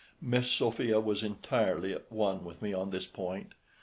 Miss Sophia was entirely at one with me on this point.